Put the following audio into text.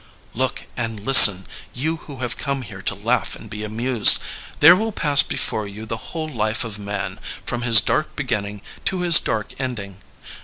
Look and listen, you who have come here to laugh and be amused. There will pass before you the whole life of Man, from his dark beginning to his dark ending."